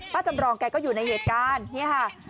ป้าจำลองแกก็อยู่ในเหตุการณ์